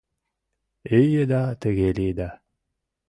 Ий еда тыге лиеда.